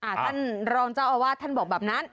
อ่ะท่านรองเจ้าภาพท่านบอกแบบนั้น